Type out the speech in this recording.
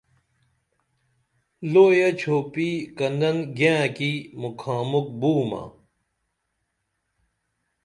لوئیہ ڇھوپی کنن گینہ کی مُکھا مُکھ بومہ